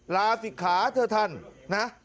ลาศิกขาเถอะท่านนะ